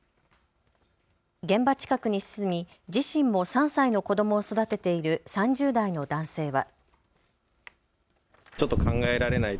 現場近くに住み自身も３歳の子どもを育てている３０代の男性は。